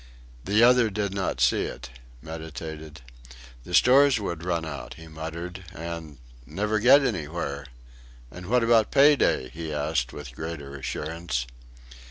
The other did not see it meditated. "The stores would run out," he muttered, "and... never get anywhere... and what about payday?" he added with greater assurance.